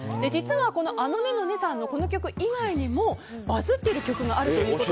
実はこの、あのねのねさんのこの曲以外にもバズっている曲があると。